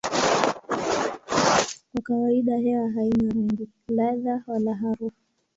Kwa kawaida hewa haina rangi, ladha wala harufu.